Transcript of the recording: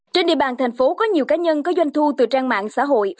trên địa bàn thành phố có nhiều cá nhân có doanh thu từ trang mạng xã hội